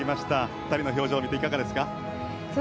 ２人の表情を見ていかがですか？